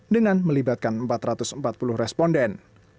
dengan melibatkan empat ratus empat puluh responden